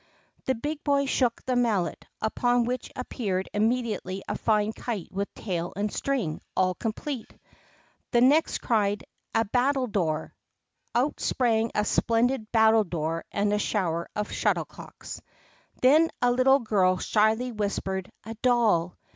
The big boy shook the Mallet, upon which appeared immediately a fine kite with tail and string all complete. The next cried, "A battledore." Out sprang a splendid battledore and a shower of shuttlecocks. Then a little girl shyly whispered, "A doll."